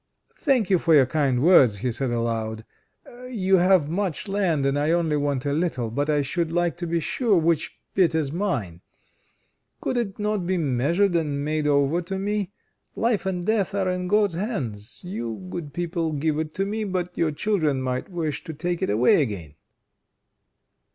"Thank you for your kind words," he said aloud. "You have much land, and I only want a little. But I should like to be sure which bit is mine. Could it not be measured and made over to me? Life and death are in God's hands. You good people give it to me, but your children might wish to take it away again."